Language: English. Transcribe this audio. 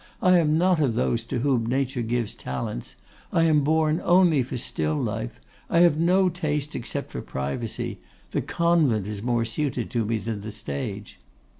I am not of those to whom nature gives talents. I am born only for still life. I have no taste except for privacy. The convent is more suited to me than the stage.